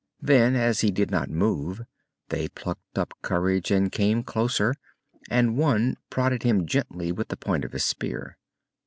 Then, as he did not move, they plucked up courage and came closer, and one prodded him gently with the point of his spear.